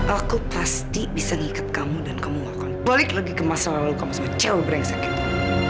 aku pasti bisa ngikat kamu dan kamu akan balik lagi ke masa lalu kamu sebagai cewek berengsak itu